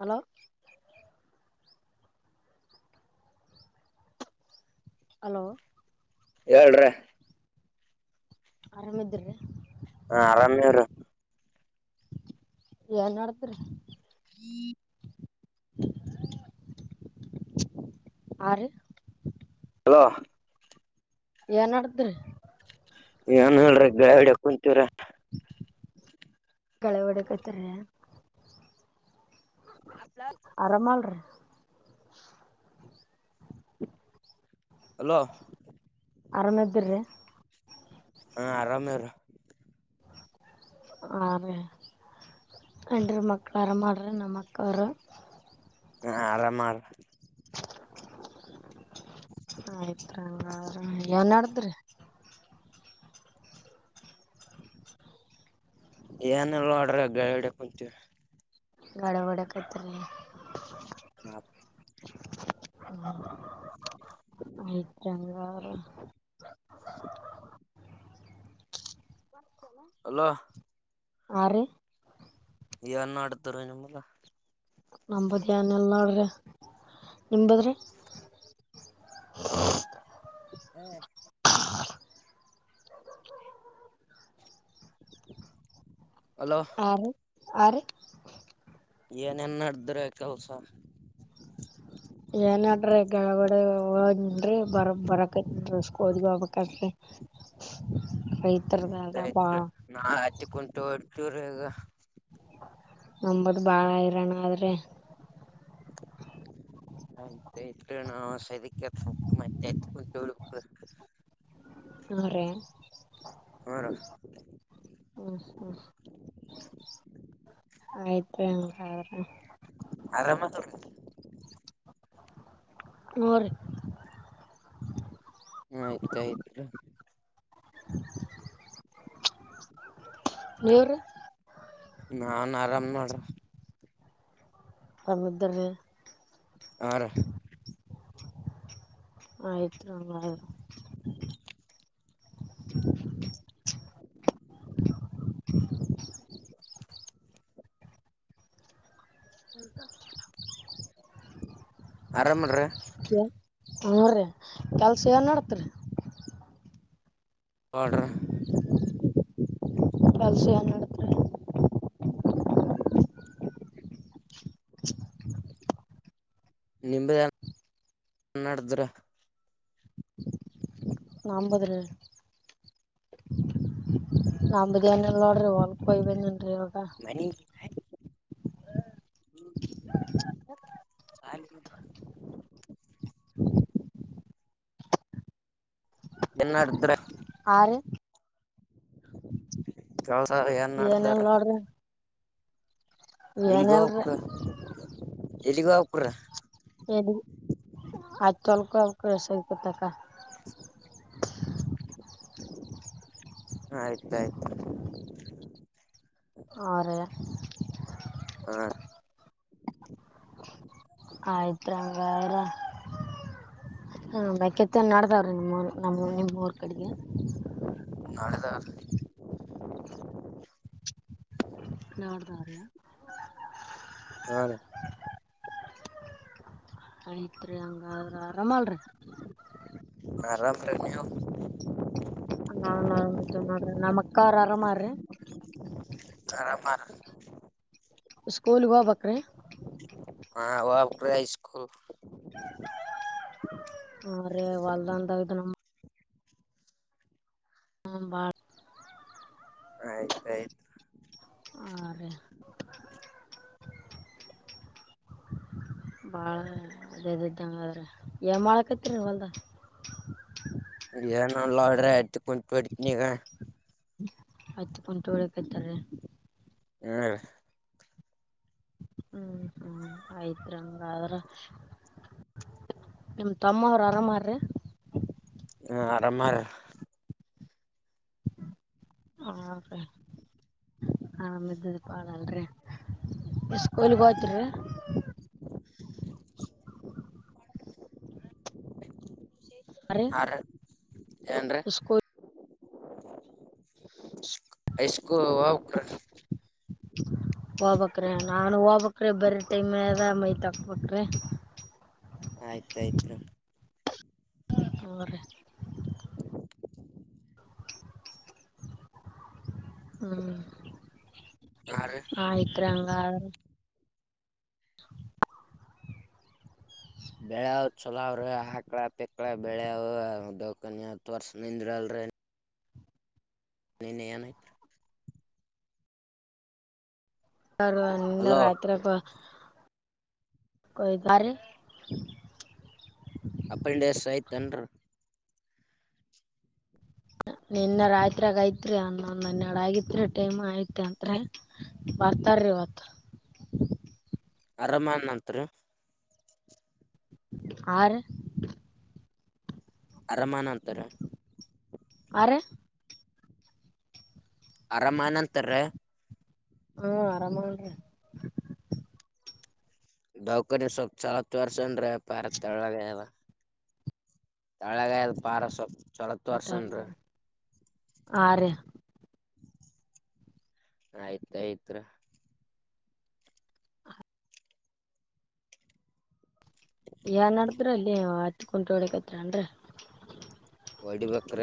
Hello hello ಹೇಳ್ರಿ ಆರಾಮದ್ರ್ರೀ ಹಾ ಆರಾಮೇವ್ರ ಏನ್ ನೋಡ್ತರಿ ಹ್ಮ ಆ ಹಲೋ ಏನ್ಡದ್ರಿ. ಏನ್ ಹೇಳ್ರಿ ಗಾಡ್ಯಾಗ್ ಕುಂತೀವ್ರ. ಗಳ್ಯ ಹೊಡೆಕೈತರಿ ಆರಾಮ ಅಲ್ರೀ. ಹಲೋ ಆರ ಮಧ್ಯಿನೆ ಹಾ ಆರಾಮೇರು ಹೇ ಅಂಡ್ರ ಮಕ್ಳುರ ಮಾಡ್ರಿ ನಮ್ಮಕ್ಕವರು ಹ ಆರಾಮಾರ ಆಯ್ತ್ ಏನ್ ಮಾಡಡದ್ರಿ ಏನಲ್ಲೋಡ್ರ ಗಡೆ ಕುಂಚ ಗಡಗಡ ಕತರಿ ಹ್ಮ ಐತ್ರಿ ಹಂಗಾರ. [inaudible] ಹಲೋ ಆರಿ ಏನ್ ನಡದ್ರಿ ನಿಮ್ಮದ. ನಮ್ಮದ್ ಎನ್ ಇಲ್ ನೋಡ್ರಿ ನಿಮ್ಮದ್ರಿ. [inaudible] ಹ್ಮ ಅಲೋ ಆರಿ ಆರಿ ಏನೇನ್ ನಡದ್ರಿ ಕೆಲ್ಸ. ಏನಡ್ರಿ ಗಳ್ಯ ಹೊಡ್ಯಾವ ಹೋಗಿನ್ರಿ ಬರ ಬರಕತ್ನ್ [unintelligible] [inaudible] ಆಯ್ತಾಯ್ತ್ ತ್ರಿ ನಾ ಹತ್ತಿ ಕುಂಟಿ ಹೊಡ್ತೀವ್ರ ಈಗ. ನಂಬದು ಬಾಳ ಹೈರಾಣ ಆದ್ರಿ. ಆಯ್ತ ಆಯಿತ್ರಿ ನಾವ ಸದಿ ಕೆತ್ತಬೇಕ್ ಮತ್ತ ಎತ್ತ ಕುಂಟಿ ಹೊಡಿಬೇಕು. ಹ್ ರಿ ಹ್ಮ್ರಿ ಹ್ಮ ಹ್ಮ ಆಯಿತ್ರಿ ಹಂಗಾರ. ಆರಾಮ ಆದೂರಿ. ಹ್ಮ್ ರಿ ಹ್ಮ್ ಆಯ್ತಾಯ್ತುತ್ರು. ನಿವ್ರೀ. ನಾನ್ ಆರಾಮ್ ನೋಡ್ರ. ಆ ಬುದ್ಧೂರಿ. ಆರಾ ಆಯ್ತತ್ರಿ ಹಂಗಾರ. [inaudible] ಆರಾಮ್ರ ರಿ. ಹ್ಮ್ ರಿ ಕೆಲ್ಸ ಏನ್ ನಡಡ್ತ್ರಿ. ಆಡುರ. ಕೆಲ್ಸ ಏನ್ ನಡದ್ರೀ. ನಿಂಬದೇನ್ ನಡದ್ರಿ. ನಂಬುದ್ರಿ. ನಮ್ದ ಏನಿಲ್ಲ ನೋಡ್ರಿ ಹೋಲುಕ್ ಹೋಗ್ ಬಂದಿನಿ. ಮನಿಗಿ ಆಲಿಗೆ. [unintelligible] ಏನಡದ್ರ ಆ ರಿ ಕೆಲ್ಸ ಏನ್ ಏನ ಇಲ್ಲ ನಡದಾರ ನೋಡ್ರಿ. ಇಲ್ಗೋಕ. ಎ ಆತ್ತುಲ್ಕ ಕ ಸಾಯ ಪತಕ ಆಯ್ತ ಆಯ್ತ. ಹಾ ರೀ ಆ ಆಯ್ತ್ ಹಂಗಾರ. [unintelligible] ಹಾ ಮೆಕ್ಕಿತೇನಿ ನಡ್ದಾವ್ರೀ ನಿಮ್ಮೂರ ನಮ್ಮು ನಿಮ್ಮ ಊರ್ ಕಡಿಗೆ. ನಡದಾದ್ರಿ. ನಾಡ್ ದಾರ್ಯ. ಹ ಆಯ್ತ್ರಿ ಹಂಗಾದ್ರ ಆರಾಮಲ್ರಿ. ಹಮ್ ನಾ ನೋದು ನೋಡ್ರಿ ನಮ್ಮ ಅಕ್ಕ ಅವ್ರ ಆರಾಮ್ರಿ ಅಮಾರ್ ಸ್ಕೂಲ್ ಹುವ ಬಕ್ರೇ ಹಾ ಗಪ ಸ್ಕೂಲ್ ಹ ರೇ ವಲ್ದ ಅಂತ ಇದು ನಮ್ಮ ಹ ಬಾರ ಆಯ್ತಾಯಯ್ತು ಹಾ ರೀ ಭಾಳ ಇದದ ಇದ್ದಂಗದ್ರೆ ಏನ್ ಮಾಡ್ಕೈತಿರಿ ನೀವಲ್ದ ಓಕೆ ಕೆ ಏನ ಇಲ್ಲಾ ನೋಡ್ರಿ ಹತ್ತಿ ಕುಂಟು ಬಿಡ್ತನಿ ಈಗ ಹತ್ತಿ ಕುಂತಿ ಹೊಡಿ ಕಟ್ಟಿರಿ ಹ್ಮ್ ಆಯ್ತ್ರಿಂಗ್ರ್ರ ನಿಮ್ಮ್ ತಮ್ಮ ಅವ್ರು ಆರಾಮಾರ್ರಿ ಹ್ಮ ಆರಾಮಾರ ಹದೆ ಹಾ ಬಿದ್ದುದೀ ಪಾಳಲ್ರಿ ಎ ಸ್ಕೂಲ್ಗ ಹೋಯ್ತ್ರಿರಿ ಹಮ್ ಹಾ ರೀ ಆ ಏನ್ರೆ ಸ್ಕೂಲ್ ಐ ಸ್ಕೂ ಹೋಗಬಕ್ರ ನಾನು ಹೋಗಬಕ್ರೀ ಬರ ಟೈಮ್ ಅದ ಮೈತ್ ಹಾಕ್ಬಕ್್ರೀ ಆಯ್ತಾಯ್ತ್ು ಅವ ಹ್ಮ್ ಹಾ ರೀ ಹಯ್ತ್ಂಗ [inaudible] ಬೆಳೆಾವ್ ಚಲಾವ್ರಿ ಹಾಕ್ಳ ಪಿಕ್ಳ ಬೆಳ್ಯ ದಕನ್ಿ ಹತ್ ವರ್ಷ ನಿಂದ್ರಲ್ರರಿ ಅನನತ ನಿನ್ನ ಅಲೋ ರಾತ್ರಿ ಕೊಯದಾರೆ ಅಪೆಂಡೆಸ್ೈತನ್ ಹ ನಿನ್ನ ರಾಯತ್ರಿ ಆಗ ಐತ್ರಿ ಅಂದ ಒಂದ್ ಹನ್ನ ಎರಡು ಆಗತ್ರಿ ಟೈಮ್ ಐತ್ ಅತ್್ರ ಬರ್ತಾರೀ [inaudible] ಅರಮನ್ ನಂತರು ಆ ಅರಮಾನಂತರ ಆ ಆರಾಮನಂತರ್ರ ಹಾ ಆರಾಮ ದಾೌಕ ಸವ ಚಲತ್ ವರ್ಷ ರ ಪಾರ ತಳ ತಳಗಾಯ ಪಾರ ಚೊಲತ್ತು ವರ್ಷನ್ರು ಆರು ಆಯ್ತ ಆಯ್ತ ಯಏನ್ ನಡದ್ರ ಅಲ್ಲಿ ಹತ್ ಕುಂಟ ಹೊಳಕ್ತ್ರ ಅನ್್ರ ಹೊಓಡಿಬೇಕ್ರ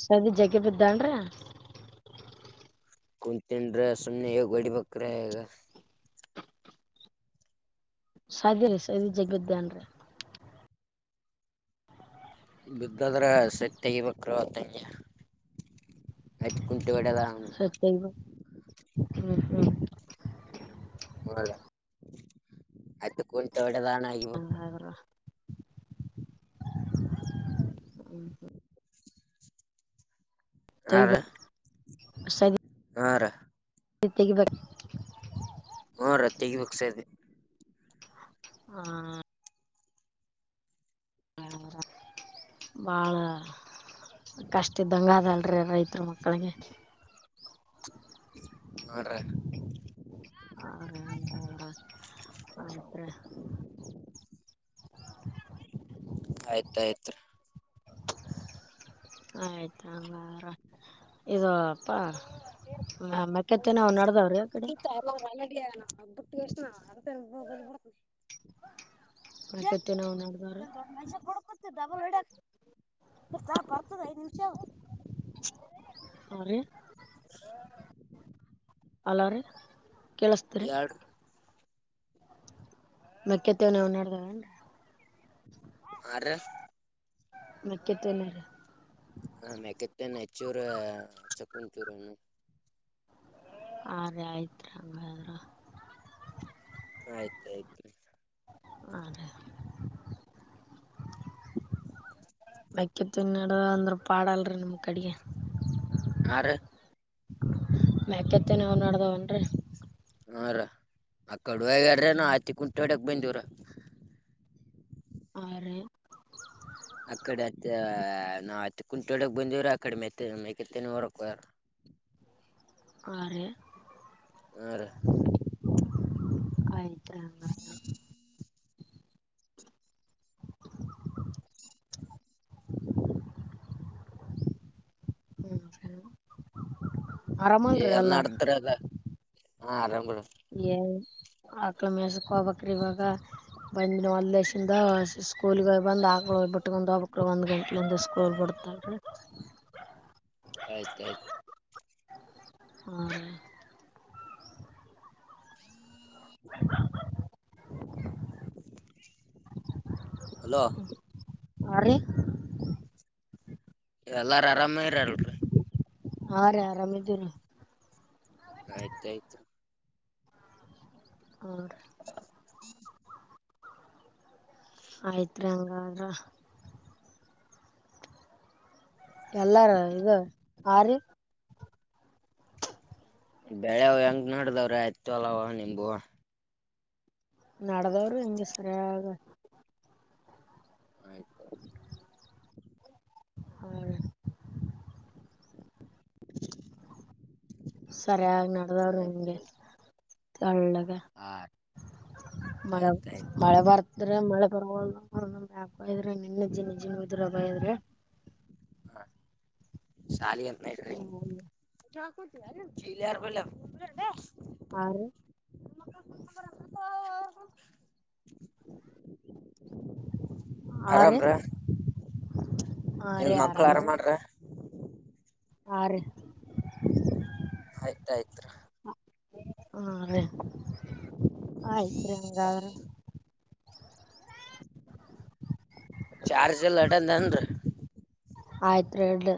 ಸದಿ ಜಗ ಬದ್ದಾನ ರ ಕುಂತನ್್ರ ಸುಮ್ಮನೆ ಈ ಗಡಿ ಬಕ್ರ ಈಗ ಸಾಧಿ ರರಿ ಸದಿ ಜಗದ್ಯಾನ್ ರೀ ಬಿದ್ದದ್ರ ಸೆಟ್ ತಗಬೇಕ್ರತಂಗಯ ಆಯ್ತ ಕುಂಟೆ ಒಡಲ್ಲ ಹ್ಮ ಹದ ಅದು ಕುಂಂತ ಹೊಡೆದಾನ ಆಗ ಸಹಾಯ ಬರೋ ಹಾ ತೆಗಿಬೇಕ್ ಹಾ ಜತೆೆಗೆ ಬೇಕ ಹ್ಮ ರತ್ತಿಗೆ ಬುಕ್ಸದೆ ಹ್ಮ ಬಾಳ ಕಷ್ಟ್ದಂಗ ಅದಲ್ರಿ ರೈತ ಹ ಮಕ್ಕಳಿಗೆ ಹ್ರ ಹ ಆ್ರೆ ಆಯ್ತ ಆಯ್ತು ಆಯ್ತುಂಗ ಇದಪ್ಪಾ ಹ ಮಕತ್ತ ನಾವ್ ನಡದಾವ್ರಿ ಯಾವ ಕಡೆ ಹ ಬುಟ್ಟಿಗೆ ಸ್ ನ ತ ಬಬಜ ಬ ಗ ಮೆಕ್ಕೆತೆನವ ನಡ್ದಾವ್ರಿ ಡಕ ಡಬಲ್ ಎಡಾ ಬರ್ತದೆ ಐದು ನಿಮಿಷ ಹ್ರೀ ಅಲಾರೆ ಕೆೇಳಿಸತ್ರ ಹೇಳ್ ಮಕ್ಕೆತ್ತವನ ಉನ್ನಡ್ದಾವ ಆ ಮಕ್ಕತ್ತನರ ಹ ಮೆಕತ್ತನ್ ಹೆಚ್ಚೂರ ಚಕ್ಕಂಚೂರನು ಆ ರ ಆಯ್ತ್ು ರೀ ಹಂಗಾದ್ರ ಆಯ್ತಾಯ್ತು ಆ ಮಕತ್ನಡ ಅಂದ್ರ ಪಾಡಲ್ರಿ ನಿಮ ಕಡೆಗೆ ಆ ಮಕತ್ತೇನೆ ಅವ್ ನಡ್ದಾವನ್ರಿ ಹರ ಆ ಕಡುಡ್ರ ನ ಹತಿ ಕುಂಟ ಹೊಡಕ್ ಬಂದಿವವ್ರ ಆ ಅಕಡೆ ಹತ್ತ ನಾಾವ್ ಹತ್ತ ಕುಂಟ ಒಳಗ್ ಬಂದವ್ರ ಅಕಡೆ ಮತ್ತ ಮೆಕತ್ತನ ಹೊರಕ್ ಆ ಆ ಹ ಹ್ಮ ಹ್ಮ್ ಆರಾಮಲ್ರಿ ನ್ ಎಲ್ಲಾರು? ನಡದ್ರ ಅಲ್ಲ ಹ ಆರಾಮ್ ಏ ಆಕ್ಲ ಮೇಸಕ್ಬಕ್ರ ಇವಾಗ ಬಂದ ಒಂದ್ ದಯಸಿಂದ ಸ್ಕೂಲ್ಗೆ ಬಂದ್ ಆಕ್ಳೋಗ್ಬಿಟ್ಕಂದು ಹಬ್ಬಕ್ ಒಂದ್ ಗಂಟೆಿಂದ ಸ್ಕೂಲ್ ಬಿಡ್ತಿ ಆಯ್ತ ಆಯ್ತ್ ಹ್ಮ್ [unintelligible] ಹಲೋ ಅ ಎಲ್ಲಾರ ಆರಾಮೇ ಇರಲ್ರಿ ಹಾ ರೀ ಆರಾಮಿದ್ದೀರಿ ಆಯ್ತಾಯ್ತು ಹ ಹ್ಮ್ ಹ್ಮ್ ಆಯ್ತ್ರಿ ಹಂಗಾದ್ರ ಎಲ್ಲಾರ ಇದು ಆರಿ ಬೆಳೆ ಹೆಂಗ ನೋಡ್ದವ್ರಿ ಆಯ್ತ ಅಲವ ನಿಂಬು ನಡದವ್ರು ಹಿಂಗೆ ಸರಿಯಾಗ ಆಯ್ತಾಯಯ್ತು ಹ [inaudible] ಸರಿಾಗಿ ನಡೆದ್ರ ಆಯ್ತ ನಿಂಗೆ ಕಳ್ಳ ಹಾ ಮಳೆ ಆಯ್ತ ಆಯ್ತ್ ಮಳೆ ಬರ್ತ ಇದ್ರೆ ಮಳೆ ಬರ್ ಹಾಕ ಇದ್ರೆ ನಿನ್ನ ಜಿನ್ಜಿನ್ ಇದ್ರ ಬ ಇದ್ರೆ ಹಾ ಶಾಲಿ ಅಂತ ಹ್ಮ ಯ ಆ [unintelligible] ಆ ಆರಾಮ ರೀ ರ ಆ ಏನ್ ರೀ ಮಕ್ಳ ಆರಾಮ್ರ ಆರು ಆಯ್ತಾಯ್ತ್ ಹಾ ರೀ ಆಯ್ತ್ರಿ ಹಂಗಾದ್ರ ಚಾರ್ಜ ಲಡ ನಂದ್ರ ಆಯತ್ ರಡು